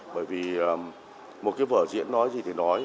bởi vì một cái vở diễn nói gì thì nói